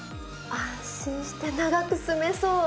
安心して長く住めそう！